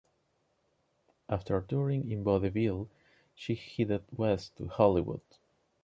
After touring in vaudeville, she headed west to Hollywood.